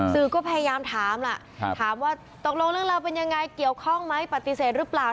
สื่อก็พยายามถามล่ะถามว่าตกลงเรื่องราวเป็นยังไงเกี่ยวข้องไหมปฏิเสธหรือเปล่า